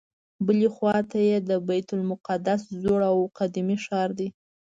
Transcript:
بلې خواته یې د بیت المقدس زوړ او قدیمي ښار دی.